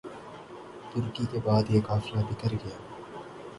ترکی کے بعد یہ قافلہ بکھر گیا